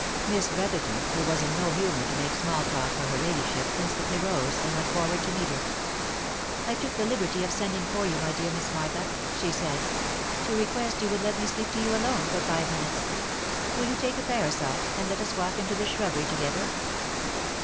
Miss Brotherton, who was in no humour to make small talk for her ladyship, instantly rose, and went forward to meet her. " I took the liberty of sending for you, my dear Miss Martha," she said, '* to request you would let me speak to you alone, for five minutes. — Will you take a parasol, and let us walk into the shrubbery together?"